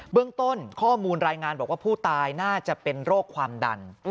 เรื่องต้นข้อมูลรายงานบอกว่าผู้ตายน่าจะเป็นโรคความดัน